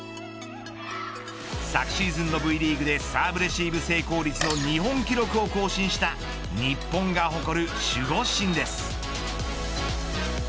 昨シーズンのＶリーグでサーブレシーブ成功率の日本記録を更新した日本が誇る守護神です。